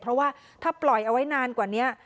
เพราะว่าถ้าปล่อยเอาไว้นานกว่านี้